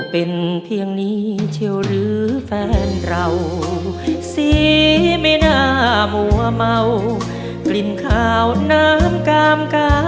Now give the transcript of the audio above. ในเพลงที่๒นี้นะครับ